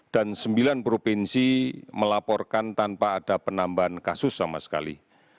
dan sembilan provinsi melaporkan tanpa ada penambahan kasus sama sekali